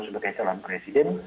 sebagai calon presiden